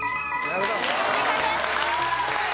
正解です。